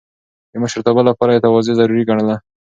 د مشرتابه لپاره يې تواضع ضروري ګڼله.